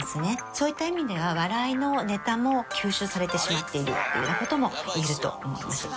そういった意味では笑いのネタも吸収されてしまっているというような事もいえると思います。